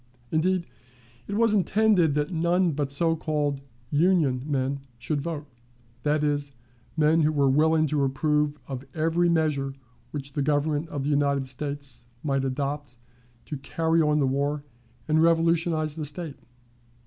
Indeed, it was intended that none but so called "Union" men should vote that is, men who were willing to approve of every measure which the Government of the United States might adopt to carry on the war and revolutionize the State.